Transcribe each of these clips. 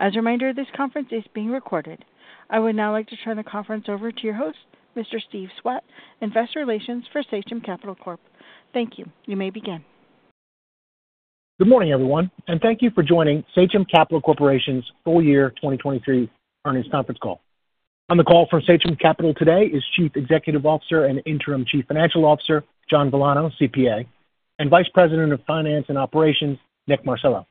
As a reminder, this conference is being recorded. I would now like to turn the conference over to your host, Mr. Steve Swett, Investor Relations for Sachem Capital Corp. Thank you. You may begin. Good morning, everyone, and thank you for joining Sachem Capital Corporation's full year 2023 earnings conference call. On the call from Sachem Capital today is Chief Executive Officer and Interim Chief Financial Officer, John Villano, CPA, and Vice President of Finance and Operations, Nick Marcello.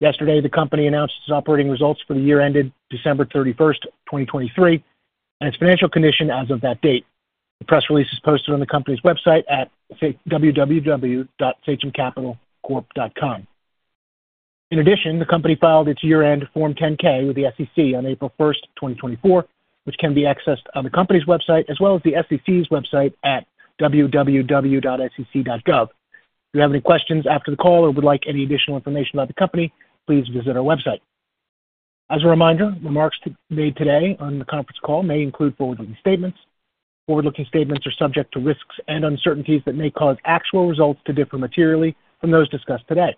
Yesterday, the company announced its operating results for the year ended December 31, 2023, and its financial condition as of that date. The press release is posted on the company's website at www.sachemcapitalcorp.com. In addition, the company filed its year-end Form 10-K with the SEC on April 1, 2024, which can be accessed on the company's website, as well as the SEC's website at www.sec.gov. If you have any questions after the call or would like any additional information about the company, please visit our website. As a reminder, remarks made today on the conference call may include forward-looking statements. Forward-looking statements are subject to risks and uncertainties that may cause actual results to differ materially from those discussed today.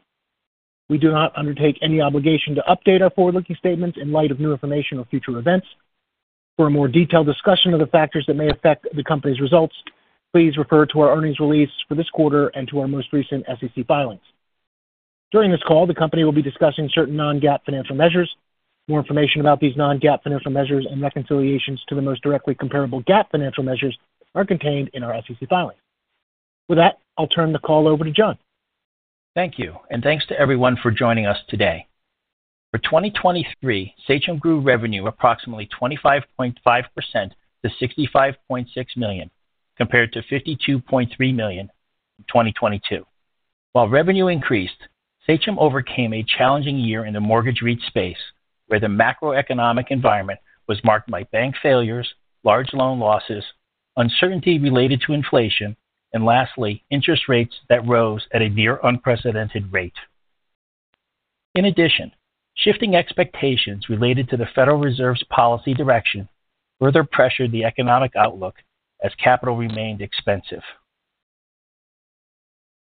We do not undertake any obligation to update our forward-looking statements in light of new information or future events. For a more detailed discussion of the factors that may affect the company's results, please refer to our earnings release for this quarter and to our most recent SEC filings. During this call, the company will be discussing certain non-GAAP financial measures. More information about these non-GAAP financial measures and reconciliations to the most directly comparable GAAP financial measures are contained in our SEC filings. With that, I'll turn the call over to John. Thank you, and thanks to everyone for joining us today. For 2023, Sachem grew revenue approximately 25.5% to $65.6 million, compared to $52.3 million in 2022. While revenue increased, Sachem overcame a challenging year in the mortgage REIT space, where the macroeconomic environment was marked by bank failures, large loan losses, uncertainty related to inflation, and lastly, interest rates that rose at a near unprecedented rate. In addition, shifting expectations related to the Federal Reserve's policy direction further pressured the economic outlook as capital remained expensive.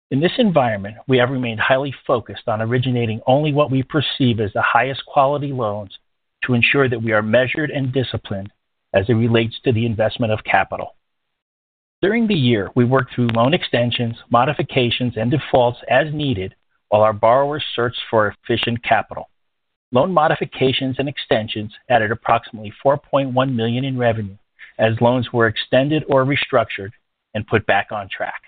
In this environment, we have remained highly focused on originating only what we perceive as the highest quality loans to ensure that we are measured and disciplined as it relates to the investment of capital. During the year, we worked through loan extensions, modifications and defaults as needed while our borrowers searched for efficient capital. Loan modifications and extensions added approximately $4.1 million in revenue, as loans were extended or restructured and put back on track.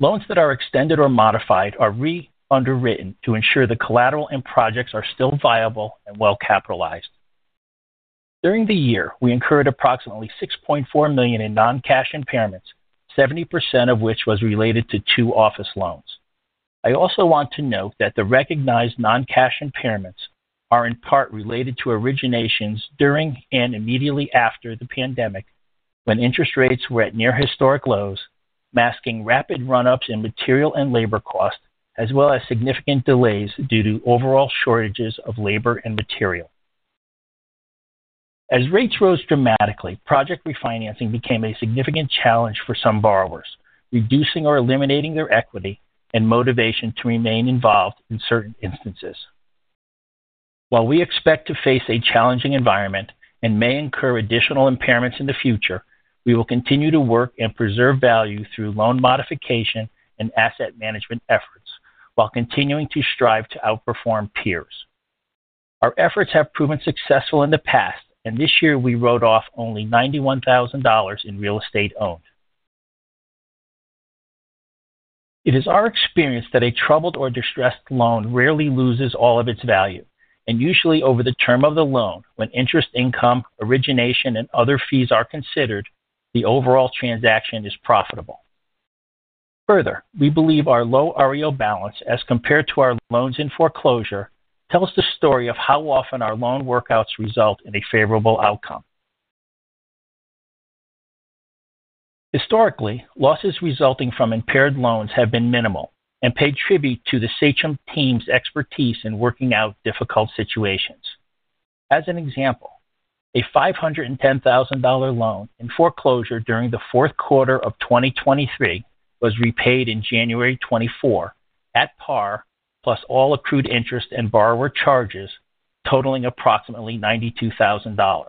Loans that are extended or modified are re-underwritten to ensure the collateral and projects are still viable and well-capitalized. During the year, we incurred approximately $6.4 million in non-cash impairments, 70% of which was related to two office loans. I also want to note that the recognized non-cash impairments are in part related to originations during and immediately after the pandemic, when interest rates were at near historic lows, masking rapid run-ups in material and labor costs, as well as significant delays due to overall shortages of labor and material. As rates rose dramatically, project refinancing became a significant challenge for some borrowers, reducing or eliminating their equity and motivation to remain involved in certain instances. While we expect to face a challenging environment and may incur additional impairments in the future, we will continue to work and preserve value through loan modification and asset management efforts, while continuing to strive to outperform peers. Our efforts have proven successful in the past, and this year we wrote off only $91,000 in real estate owned. It is our experience that a troubled or distressed loan rarely loses all of its value, and usually over the term of the loan, when interest, income, origination, and other fees are considered, the overall transaction is profitable. Further, we believe our low REO balance as compared to our loans in foreclosure, tells the story of how often our loan workouts result in a favorable outcome. Historically, losses resulting from impaired loans have been minimal and pay tribute to the Sachem team's expertise in working out difficult situations. As an example, a $510,000 loan in foreclosure during the fourth quarter of 2023 was repaid in January 2024 at par, plus all accrued interest and borrower charges totaling approximately $92,000.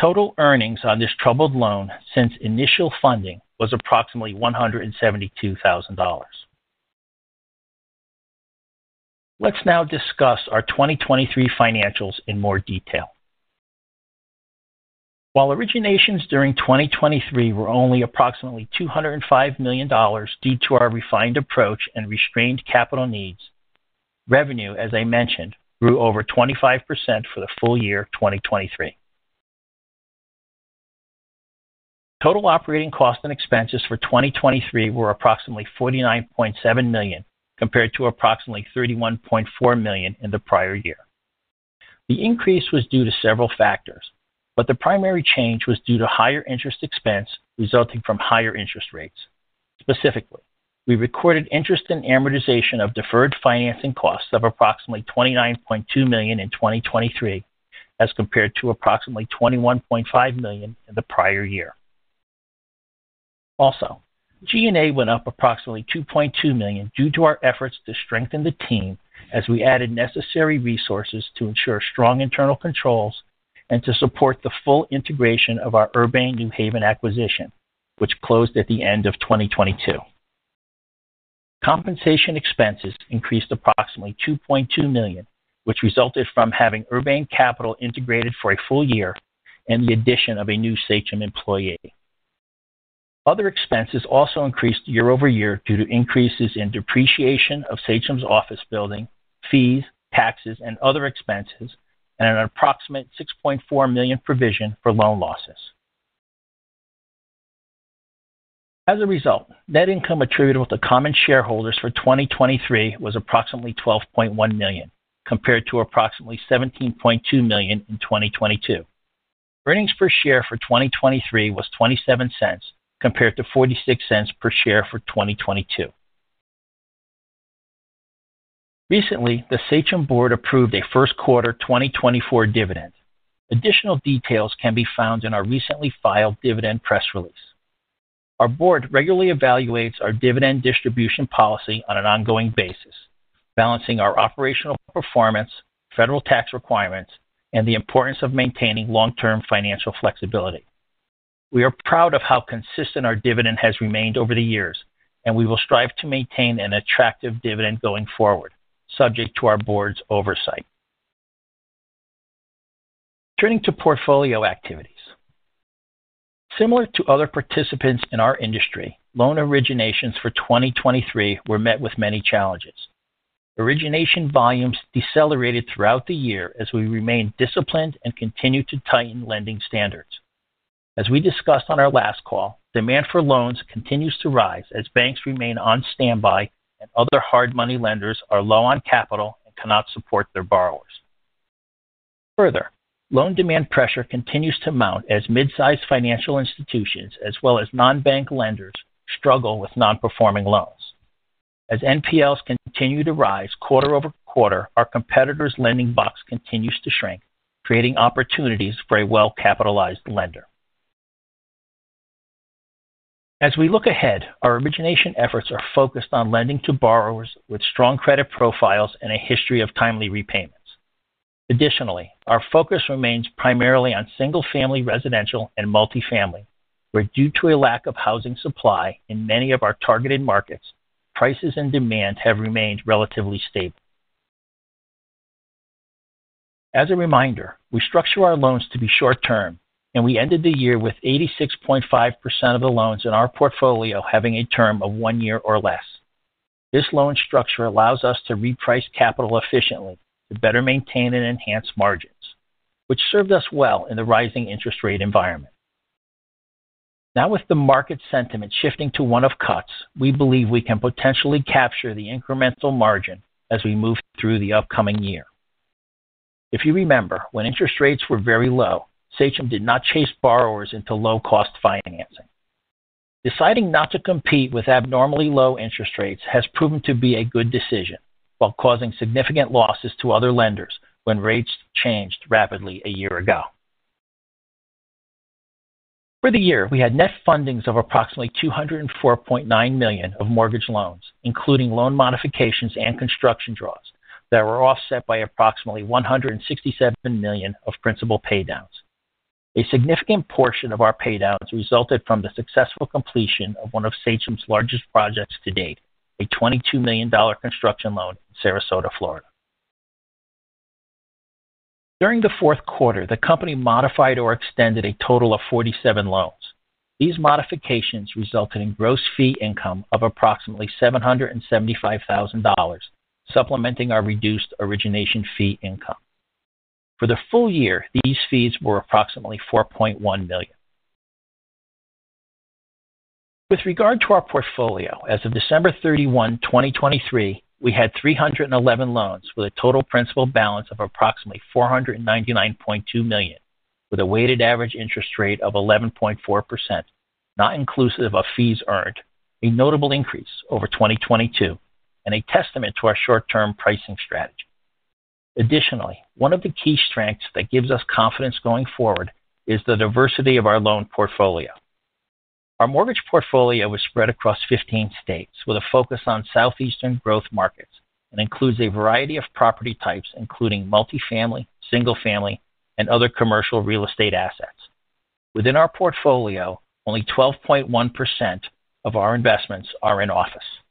Total earnings on this troubled loan since initial funding was approximately $172,000. Let's now discuss our 2023 financials in more detail. While originations during 2023 were only approximately $205 million due to our refined approach and restrained capital needs, revenue, as I mentioned, grew over 25% for the full year of 2023. Total operating costs and expenses for 2023 were approximately $49.7 million, compared to approximately $31.4 million in the prior year. The increase was due to several factors, but the primary change was due to higher interest expense resulting from higher interest rates. Specifically, we recorded interest and amortization of deferred financing costs of approximately $29.2 million in 2023, as compared to approximately $21.5 million in the prior year. Also, G&A went up approximately $2.2 million due to our efforts to strengthen the team as we added necessary resources to ensure strong internal controls and to support the full integration of our Urbane New Haven acquisition, which closed at the end of 2022. Compensation expenses increased approximately $2.2 million, which resulted from having Urbane Capital integrated for a full year and the addition of a new Sachem employee. Other expenses also increased year-over-year due to increases in depreciation of Sachem's office building, fees, taxes, and other expenses, and an approximate $6.4 million provision for loan losses. As a result, net income attributable to common shareholders for 2023 was approximately $12.1 million, compared to approximately $17.2 million in 2022. Earnings per share for 2023 was $0.27, compared to $0.46 per share for 2022. Recently, the Sachem board approved a first quarter 2024 dividend. Additional details can be found in our recently filed dividend press release. Our board regularly evaluates our dividend distribution policy on an ongoing basis, balancing our operational performance, federal tax requirements, and the importance of maintaining long-term financial flexibility. We are proud of how consistent our dividend has remained over the years, and we will strive to maintain an attractive dividend going forward, subject to our board's oversight. Turning to portfolio activities. Similar to other participants in our industry, loan originations for 2023 were met with many challenges. Origination volumes decelerated throughout the year as we remained disciplined and continued to tighten lending standards. As we discussed on our last call, demand for loans continues to rise as banks remain on standby and other hard money lenders are low on capital and cannot support their borrowers. Further, loan demand pressure continues to mount as mid-sized financial institutions, as well as non-bank lenders, struggle with non-performing loans. As NPLs continue to rise quarter-over-quarter, our competitors' lending box continues to shrink, creating opportunities for a well-capitalized lender. As we look ahead, our origination efforts are focused on lending to borrowers with strong credit profiles and a history of timely repayments. Additionally, our focus remains primarily on single-family, residential, and multifamily, where due to a lack of housing supply in many of our targeted markets, prices and demand have remained relatively stable. As a reminder, we structure our loans to be short-term, and we ended the year with 86.5% of the loans in our portfolio having a term of one year or less. This loan structure allows us to reprice capital efficiently to better maintain and enhance margins, which served us well in the rising interest rate environment. Now, with the market sentiment shifting to one of cuts, we believe we can potentially capture the incremental margin as we move through the upcoming year. If you remember, when interest rates were very low, Sachem did not chase borrowers into low-cost financing. Deciding not to compete with abnormally low interest rates has proven to be a good decision, while causing significant losses to other lenders when rates changed rapidly a year ago. For the year, we had net fundings of approximately $204.9 million of mortgage loans, including loan modifications and construction draws, that were offset by approximately $167 million of principal paydowns. A significant portion of our paydowns resulted from the successful completion of one of Sachem's largest projects to date, a $22 million construction loan in Sarasota, Florida. During the fourth quarter, the company modified or extended a total of 47 loans. These modifications resulted in gross fee income of approximately $775,000, supplementing our reduced origination fee income. For the full year, these fees were approximately $4.1 million. With regard to our portfolio, as of December 31, 2023, we had 311 loans with a total principal balance of approximately $499.2 million, with a weighted average interest rate of 11.4%, not inclusive of fees earned, a notable increase over 2022 and a testament to our short-term pricing strategy. Additionally, one of the key strengths that gives us confidence going forward is the diversity of our loan portfolio. Our mortgage portfolio was spread across 15 states, with a focus on southeastern growth markets, and includes a variety of property types, including multifamily, single-family, and other commercial real estate assets. Within our portfolio, only 12.1% of our investments are in office.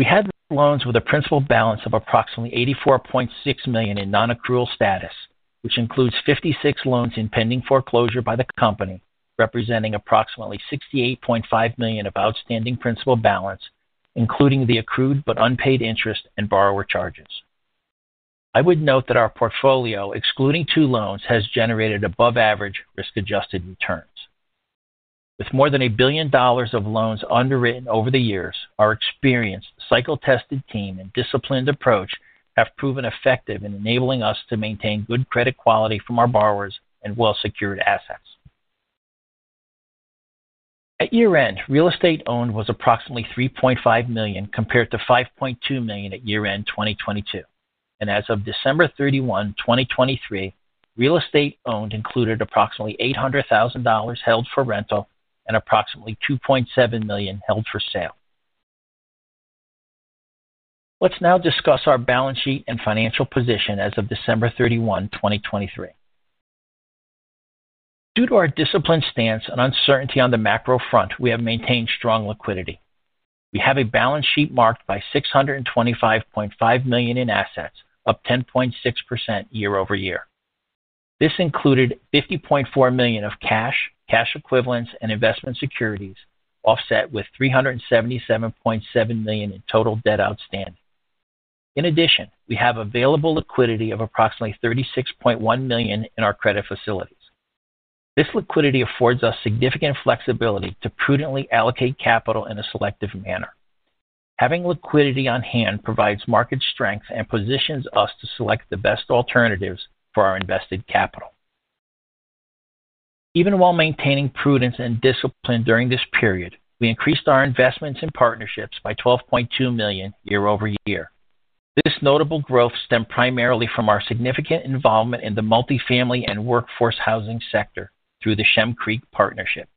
We had loans with a principal balance of approximately $84.6 million in non-accrual status, which includes 56 loans in pending foreclosure by the company, representing approximately $68.5 million of outstanding principal balance, including the accrued but unpaid interest and borrower charges. I would note that our portfolio, excluding two loans, has generated above average risk-adjusted returns. With more than $1 billion of loans underwritten over the years, our experienced, cycle-tested team and disciplined approach have proven effective in enabling us to maintain good credit quality from our borrowers and well-secured assets. At year-end, real estate owned was approximately $3.5 million compared to $5.2 million at year-end 2022, and as of December 31, 2023, real estate owned included approximately $800,000 held for rental and approximately $2.7 million held for sale. Let's now discuss our balance sheet and financial position as of December 31, 2023. Due to our disciplined stance and uncertainty on the macro front, we have maintained strong liquidity. We have a balance sheet marked by $625.5 million in assets, up 10.6% year-over-year. This included $50.4 million of cash, cash equivalents, and investment securities, offset with $377.7 million in total debt outstanding. In addition, we have available liquidity of approximately $36.1 million in our credit facilities. This liquidity affords us significant flexibility to prudently allocate capital in a selective manner. Having liquidity on hand provides market strength and positions us to select the best alternatives for our invested capital. Even while maintaining prudence and discipline during this period, we increased our investments in partnerships by $12.2 million year-over-year. This notable growth stemmed primarily from our significant involvement in the multifamily and workforce housing sector through the Shem Creek Partnership.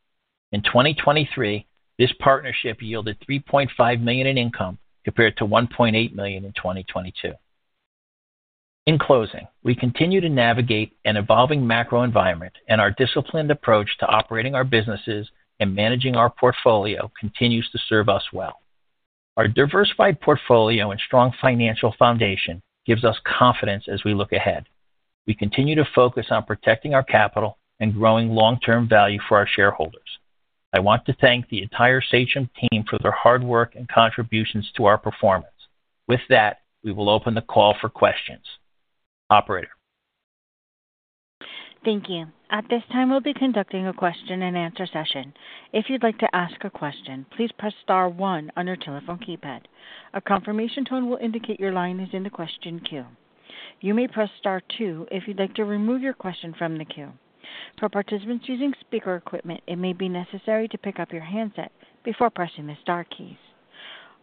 In 2023, this partnership yielded $3.5 million in income, compared to $1.8 million in 2022. In closing, we continue to navigate an evolving macro environment, and our disciplined approach to operating our businesses and managing our portfolio continues to serve us well. Our diversified portfolio and strong financial foundation gives us confidence as we look ahead. We continue to focus on protecting our capital and growing long-term value for our shareholders. I want to thank the entire Sachem team for their hard work and contributions to our performance. With that, we will open the call for questions. Operator? Thank you. At this time, we'll be conducting a question-and-answer session. If you'd like to ask a question, please press star one on your telephone keypad. A confirmation tone will indicate your line is in the question queue. You may press star two if you'd like to remove your question from the queue. For participants using speaker equipment, it may be necessary to pick up your handset before pressing the star keys.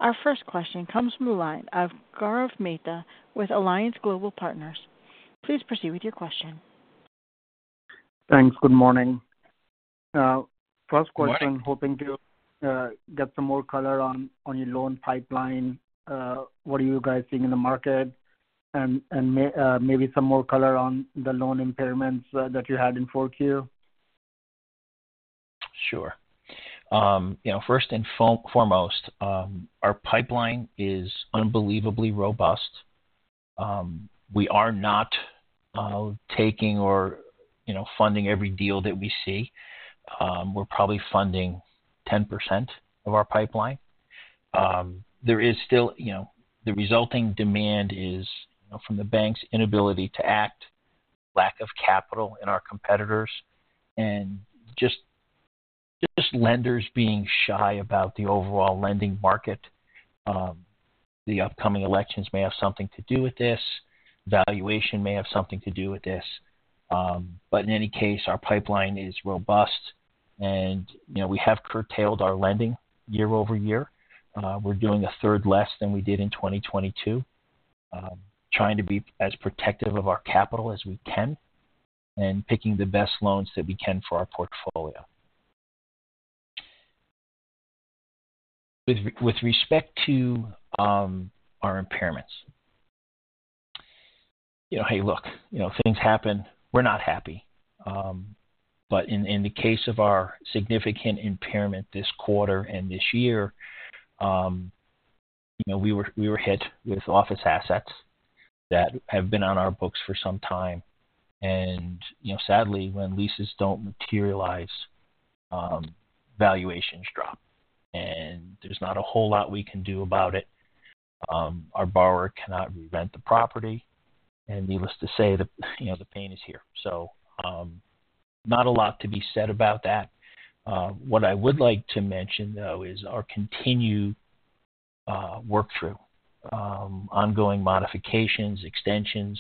Our first question comes from the line of Gaurav Mehta with Alliance Global Partners. Please proceed with your question. Thanks. Good morning. First question, hoping to get some more color on your loan pipeline. What are you guys seeing in the market? And maybe some more color on the loan impairments that you had in Q4. Sure. You know, first and foremost, our pipeline is unbelievably robust. We are not taking or, you know, funding every deal that we see. We're probably funding 10% of our pipeline. There is still, you know, the resulting demand is, you know, from the bank's inability to act, lack of capital in our competitors, and just, just lenders being shy about the overall lending market. The upcoming elections may have something to do with this. Valuation may have something to do with this. But in any case, our pipeline is robust, and, you know, we have curtailed our lending year-over-year. We're doing a third less than we did in 2022. Trying to be as protective of our capital as we can and picking the best loans that we can for our portfolio. With respect to our impairments. You know, hey, look, you know, things happen. We're not happy. But in the case of our significant impairment this quarter and this year, you know, we were hit with office assets that have been on our books for some time. And, you know, sadly, when leases don't materialize, valuations drop, and there's not a whole lot we can do about it. Our borrower cannot re-rent the property, and needless to say, you know, the pain is here. So, not a lot to be said about that. What I would like to mention, though, is our continued workthrough, ongoing modifications, extensions.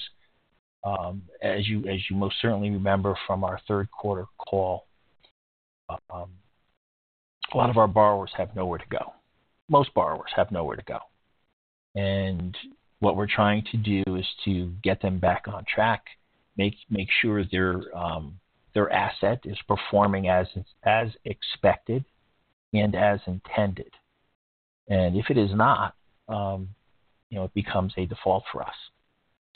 As you most certainly remember from our third quarter call, a lot of our borrowers have nowhere to go. Most borrowers have nowhere to go. And what we're trying to do is to get them back on track, make sure their asset is performing as expected and as intended. And if it is not, you know, it becomes a default for us.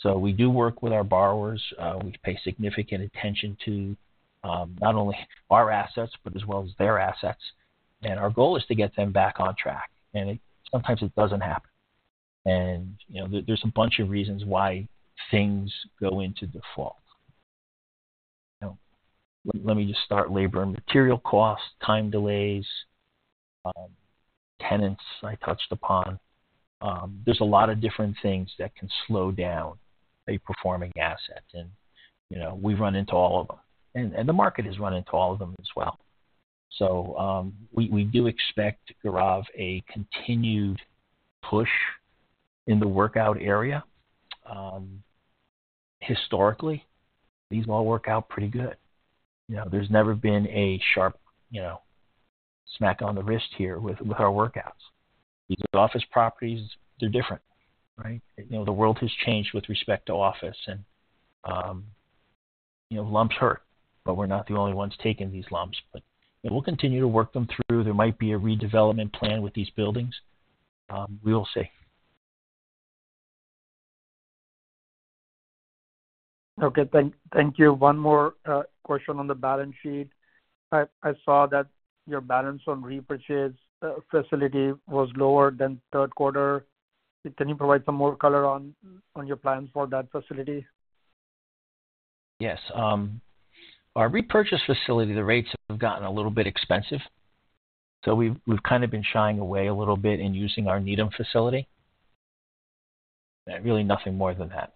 So we do work with our borrowers. We pay significant attention to not only our assets, but as well as their assets. And our goal is to get them back on track, and sometimes it doesn't happen. And, you know, there's a bunch of reasons why things go into default. You know, let me just start. Labor and material costs, time delays, tenants I touched upon. There's a lot of different things that can slow down a performing asset, and, you know, we've run into all of them, and the market has run into all of them as well. So, we do expect, Gaurav, a continued push in the workout area. Historically, these all work out pretty good. You know, there's never been a sharp, you know, smack on the wrist here with our workouts. These office properties, they're different, right? You know, the world has changed with respect to office and, you know, lumps hurt, but we're not the only ones taking these lumps. But we'll continue to work them through. There might be a redevelopment plan with these buildings. We will see. Okay. Thank you. One more question on the balance sheet. I saw that your balance on repurchases facility was lower than third quarter. Can you provide some more color on your plans for that facility? Yes. Our repurchase facility, the rates have gotten a little bit expensive, so we've kind of been shying away a little bit in using our Needham facility. Really nothing more than that.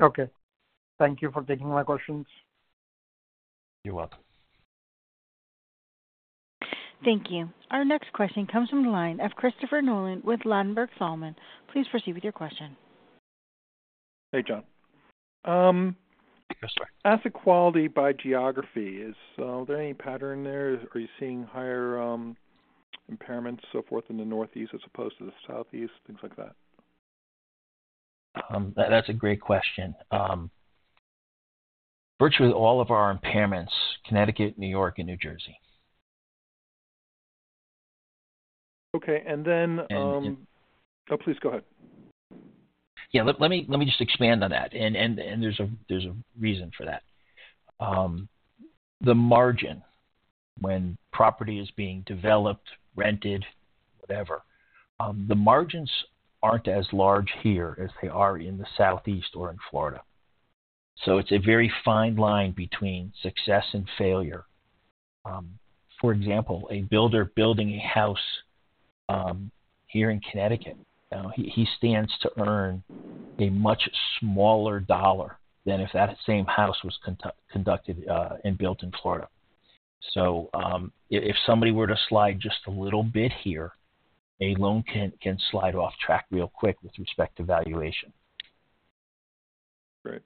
Okay. Thank you for taking my questions. You're welcome. Thank you. Our next question comes from the line of Christopher Nolan with Ladenburg Thalmann. Please proceed with your question. Hey, John. Yes, sir. Asset quality by geography, is there any pattern there? Are you seeing higher impairments, so forth, in the Northeast as opposed to the Southeast, things like that? That's a great question. Virtually all of our impairments, Connecticut, New York, and New Jersey. Okay, and then, And- Oh, please go ahead. Yeah, let me just expand on that, and there's a reason for that. The margin when property is being developed, rented, whatever, the margins aren't as large here as they are in the Southeast or in Florida. So it's a very fine line between success and failure. For example, a builder building a house here in Connecticut, he stands to earn a much smaller dollar than if that same house was constructed and built in Florida. So, if somebody were to slide just a little bit here, a loan can slide off track real quick with respect to valuation. Great.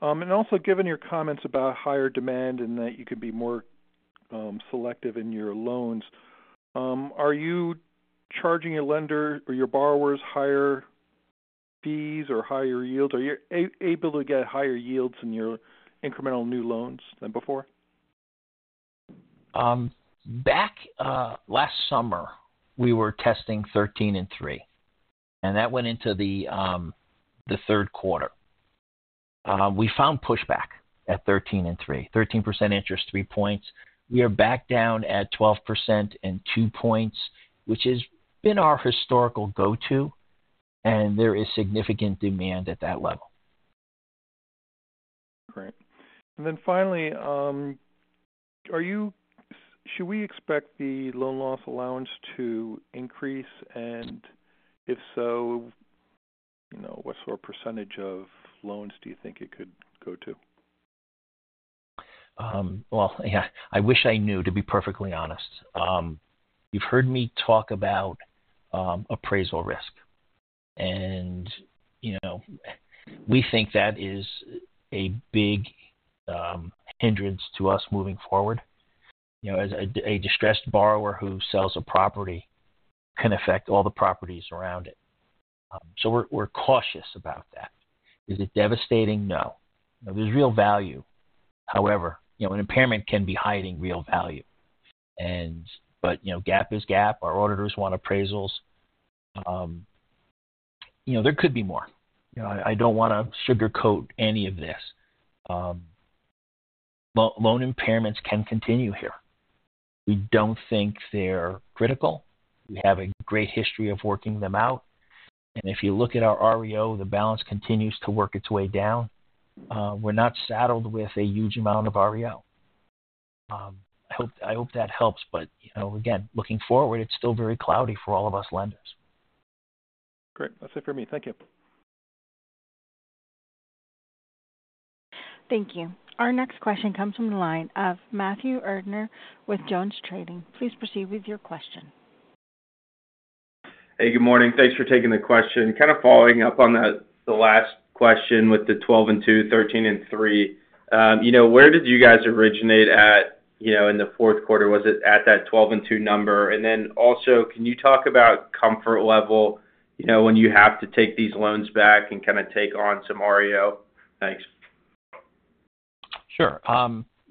And also, given your comments about higher demand and that you could be more selective in your loans, are you charging your lender or your borrowers higher fees or higher yields? Are you able to get higher yields in your incremental new loans than before? Back last summer, we were testing 13 and three, and that went into the third quarter. We found pushback at 13 and three, 13% interest, three points. We are back down at 12% and two points, which has been our historical go-to, and there is significant demand at that level. Great. And then finally, should we expect the loan loss allowance to increase? And if so, you know, what sort of percentage of loans do you think it could go to? Well, yeah, I wish I knew, to be perfectly honest. You've heard me talk about appraisal risk, and, you know, we think that is a big hindrance to us moving forward. You know, as a distressed borrower who sells a property can affect all the properties around it. So we're cautious about that. Is it devastating? No. There's real value. However, you know, an impairment can be hiding real value. But, you know, GAAP is GAAP. Our auditors want appraisals. You know, there could be more. You know, I don't want to sugarcoat any of this. Loan impairments can continue here. We don't think they're critical. We have a great history of working them out, and if you look at our REO, the balance continues to work its way down. We're not saddled with a huge amount of REO. I hope, I hope that helps, but, you know, again, looking forward, it's still very cloudy for all of us lenders. Great. That's it for me. Thank you. Thank you. Our next question comes from the line of Matthew Erdner with JonesTrading. Please proceed with your question. Hey, good morning. Thanks for taking the question. Kind of following up on the last question with the 12 and two, 13 and three. You know, where did you guys originate at, you know, in the fourth quarter? Was it at that 12 and two number? And then also, can you talk about comfort level, you know, when you have to take these loans back and kind of take on some REO? Thanks. Sure.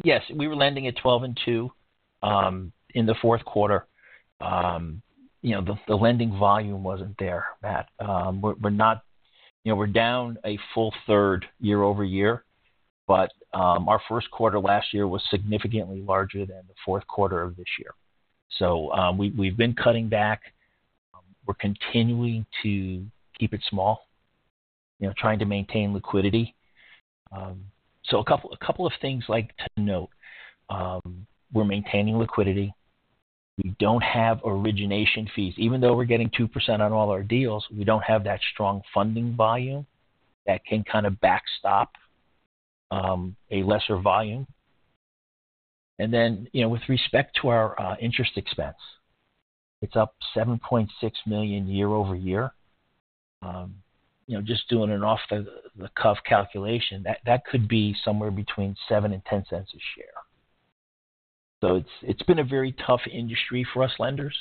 Yes, we were lending at 12 and two in the fourth quarter. You know, the lending volume wasn't there, Matt. We're not... You know, we're down a full third year-over-year, but our first quarter last year was significantly larger than the fourth quarter of this year. So, we've been cutting back. We're continuing to keep it small, you know, trying to maintain liquidity. So a couple of things I'd like to note. We're maintaining liquidity. We don't have origination fees. Even though we're getting 2% on all our deals, we don't have that strong funding volume that can kind of backstop a lesser volume. And then, you know, with respect to our interest expense, it's up $7.6 million year-over-year. You know, just doing an off-the-cuff calculation, that could be somewhere between $0.07-$0.10 a share. So it's been a very tough industry for us lenders,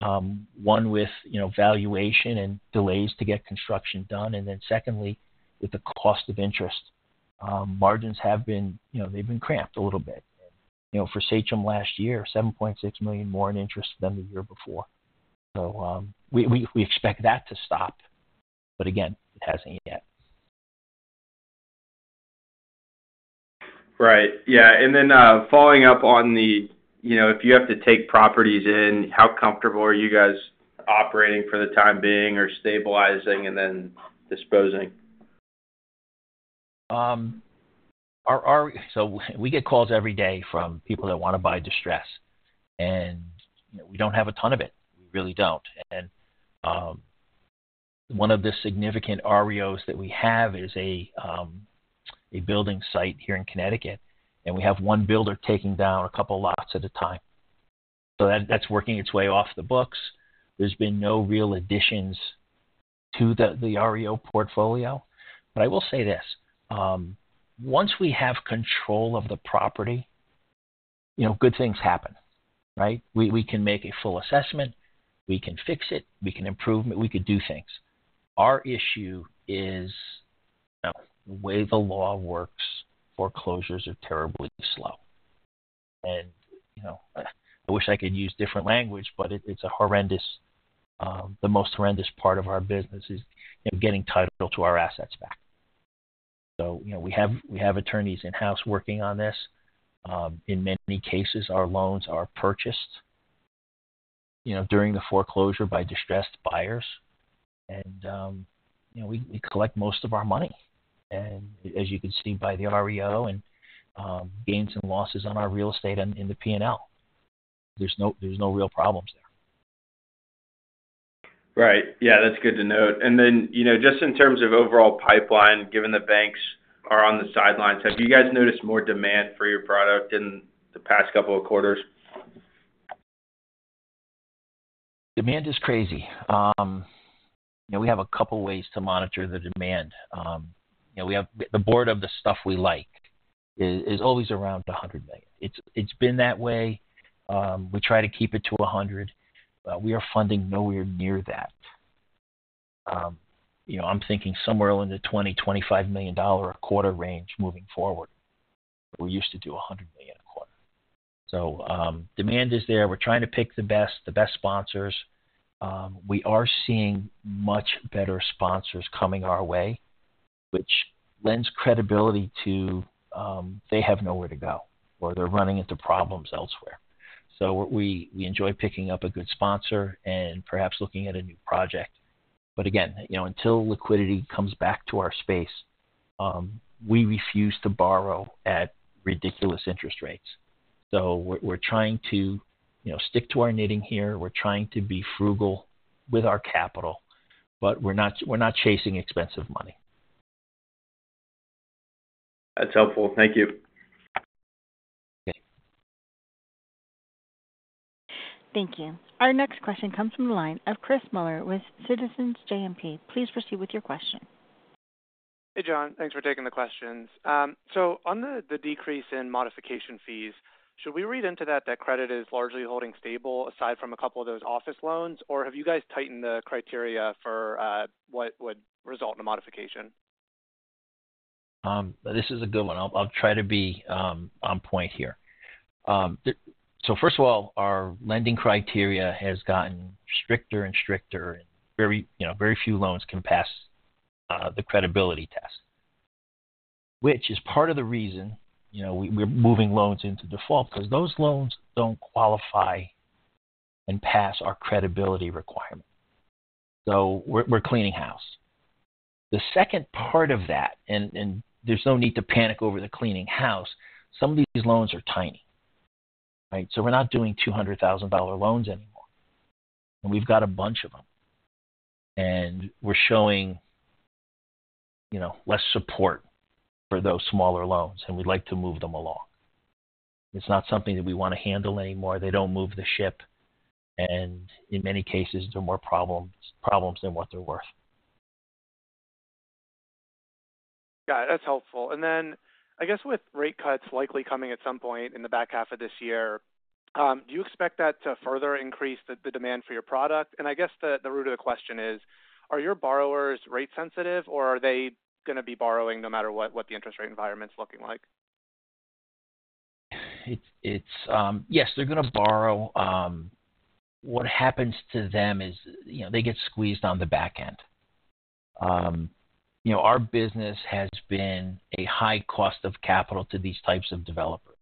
one with, you know, valuation and delays to get construction done. And then secondly, with the cost of interest, margins have been, you know, they've been cramped a little bit. You know, for Sachem last year, $7.6 million more in interest than the year before. So, we expect that to stop, but again, it hasn't yet. Right. Yeah, and then, following up on the, you know, if you have to take properties in, how comfortable are you guys operating for the time being or stabilizing and then disposing? So we get calls every day from people that wanna buy distressed, and, you know, we don't have a ton of it. We really don't. And one of the significant REOs that we have is a building site here in Connecticut, and we have one builder taking down a couple lots at a time. So that's working its way off the books. There's been no real additions to the REO portfolio. But I will say this, once we have control of the property, you know, good things happen, right? We can make a full assessment, we can fix it, we can improve it, we could do things. Our issue is, you know, the way the law works, foreclosures are terribly slow. And, you know, I wish I could use different language, but it, it's a horrendous... The most horrendous part of our business is, you know, getting title to our assets back. So, you know, we have, we have attorneys in-house working on this. In many cases, our loans are purchased, you know, during the foreclosure by distressed buyers, and, you know, we, we collect most of our money. And as you can see by the REO and, gains and losses on our real estate and in the P&L, there's no, there's no real problems there. Right. Yeah, that's good to note. And then, you know, just in terms of overall pipeline, given the banks are on the sidelines, have you guys noticed more demand for your product in the past couple of quarters? Demand is crazy. You know, we have a couple ways to monitor the demand. You know, we have the board of the stuff we like is always around $100 million. It's been that way. We try to keep it to $100, but we are funding nowhere near that. You know, I'm thinking somewhere in the $20 million-$25 million a quarter range moving forward. We used to do $100 million a quarter. So, demand is there. We're trying to pick the best sponsors. We are seeing much better sponsors coming our way, which lends credibility to, they have nowhere to go, or they're running into problems elsewhere. So we enjoy picking up a good sponsor and perhaps looking at a new project. But again, you know, until liquidity comes back to our space, we refuse to borrow at ridiculous interest rates. So we're trying to, you know, stick to our knitting here. We're trying to be frugal with our capital, but we're not chasing expensive money. That's helpful. Thank you. Okay. Thank you. Our next question comes from the line of Chris Muller with Citizens JMP. Please proceed with your question. Hey, John. Thanks for taking the questions. So on the decrease in modification fees, should we read into that that credit is largely holding stable aside from a couple of those office loans? Or have you guys tightened the criteria for what would result in a modification? This is a good one. I'll try to be on point here. So first of all, our lending criteria has gotten stricter and stricter, and very, you know, very few loans can pass the credibility test, which is part of the reason, you know, we're moving loans into default, because those loans don't qualify and pass our credibility requirement. So we're cleaning house. The second part of that, and there's no need to panic over the cleaning house, some of these loans are tiny, right? So we're not doing $200,000 loans anymore, and we've got a bunch of them. And we're showing, you know, less support for those smaller loans, and we'd like to move them along. It's not something that we wanna handle anymore. They don't move the ship, and in many cases, they're more problems than what they're worth. Got it. That's helpful. And then, I guess with rate cuts likely coming at some point in the back half of this year, do you expect that to further increase the, the demand for your product? And I guess the, the root of the question is: Are your borrowers rate sensitive, or are they gonna be borrowing no matter what, what the interest rate environment's looking like? Yes, they're gonna borrow. What happens to them is, you know, they get squeezed on the back end. You know, our business has been a high cost of capital to these types of developers.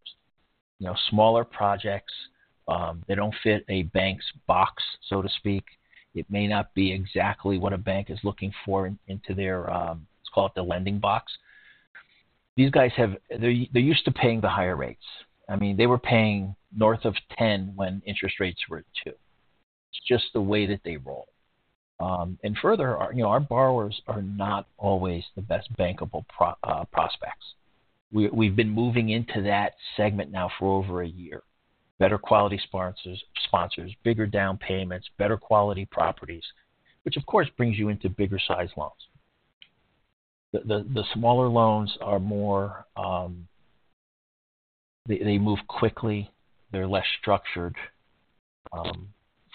You know, smaller projects, they don't fit a bank's box, so to speak. It may not be exactly what a bank is looking for into their, it's called the lending box. These guys have- They're used to paying the higher rates. I mean, they were paying north of 10 when interest rates were two. It's just the way that they roll. And further, you know, our borrowers are not always the best bankable prospects. We've been moving into that segment now for over a year. Better quality sponsors, bigger down payments, better quality properties, which, of course, brings you into bigger-sized loans. The smaller loans are more, they move quickly. They're less structured.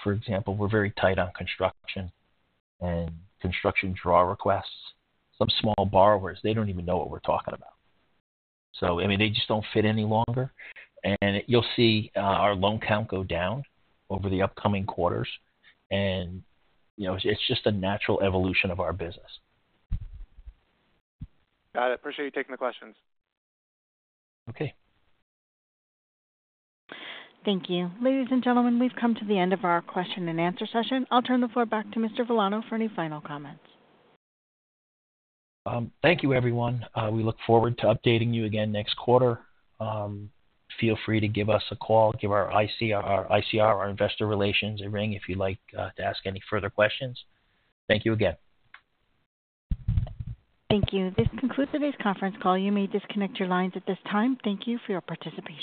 For example, we're very tight on construction and construction draw requests. Some small borrowers, they don't even know what we're talking about. So, I mean, they just don't fit any longer. And you'll see, our loan count go down over the upcoming quarters, and, you know, it's just a natural evolution of our business. Got it. I appreciate you taking the questions. Okay. Thank you. Ladies and gentlemen, we've come to the end of our question and answer session. I'll turn the floor back to Mr. Villano for any final comments. Thank you, everyone. We look forward to updating you again next quarter. Feel free to give us a call, give our IC, our ICR, our investor relations a ring if you'd like, to ask any further questions. Thank you again. Thank you. This concludes today's conference call. You may disconnect your lines at this time. Thank you for your participation.